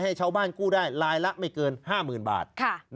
ให้ชาวบ้านกู้ได้ลายละไม่เกิน๕๐๐๐บาท